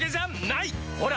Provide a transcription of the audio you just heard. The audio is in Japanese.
ほら！